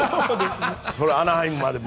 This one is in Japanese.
それはアナハイムまでも。